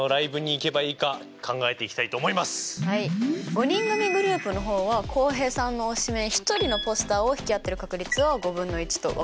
５人組グループの方は浩平さんの推しメン１人のポスターを引き当てる確率は５分の１と分かっていますよね。